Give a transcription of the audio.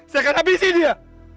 saya akan habisi dia